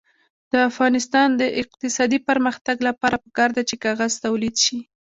د افغانستان د اقتصادي پرمختګ لپاره پکار ده چې کاغذ تولید شي.